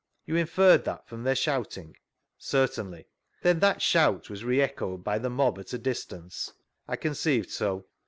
You inferred that from their shouting ?— Certainly. Then that shout was re«choed by the mob at a distance?—! conceived so.